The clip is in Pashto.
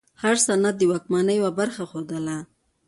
هر سند د واکمنۍ یوه برخه ښودله.